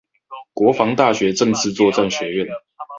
國防大學政治作戰學院